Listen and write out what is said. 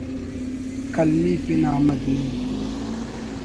قلمی پن احمد نعیم